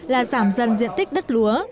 là giảm dần diện tích đất lúa